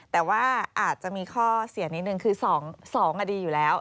แต่ว่าอาจจะมีข้อเสียนิดนึงคือ๒คดีอยู่แล้ว